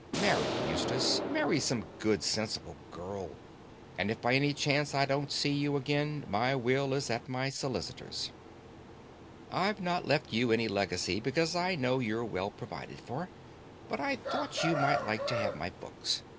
Marry, Eustace. Marry some good, sensible girl. And if by any chance I don't see you again, my will is at my solicitor's. I've not left you any legacy, because I know you're well provided for, but I thought you might like to have my books.